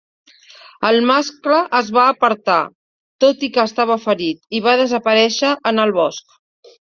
El mascle es va apartar, tot i que estava ferit, i va desaparèixer en el bosc.